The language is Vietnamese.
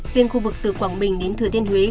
riêng khu vực từ quảng bình đến thừa thiên huế